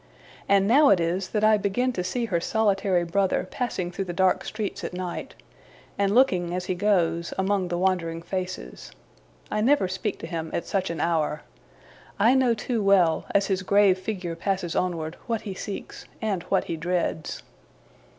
And now it is, that I begin to see her solitary brother passing through the dark streets at night, and looking, as he goes, among the wandering faces. I never speak to him at such an hour. I know too well, as his grave figure passes onward, what he seeks, and what he dreads.